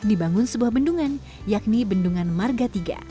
dibangun sebuah bendungan yakni bendungan marga tiga